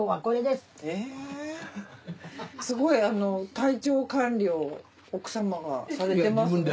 すごい体調管理を奥様がされてますね。